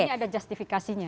ini ada justifikasinya